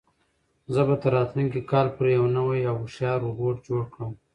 زه به تر راتلونکي کال پورې یو نوی او هوښیار روبوټ جوړ کړم.